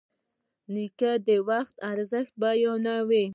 نیکه د وخت ارزښت بیانوي.